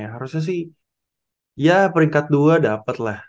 harusnya sih ya peringkat dua dapet lah